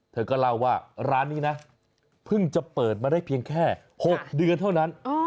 เธอก็เล่าว่าร้านนี้นะเพิ่งจะเปิดมาได้เพียงแค่๖เดือนเท่านั้น